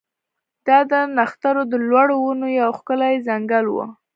دا د نښترو د لوړو ونو یو ښکلی ځنګل و